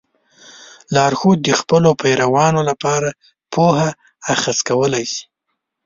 لارښود د خپلو پیروانو لپاره پوهه اخذ کولی شي.